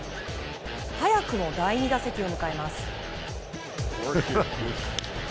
早くも第２打席を迎えます。